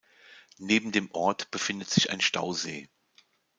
Neben dem Ort befindet sich ein Stausee.